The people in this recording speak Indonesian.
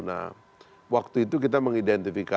nah waktu itu kita mengidentifikasi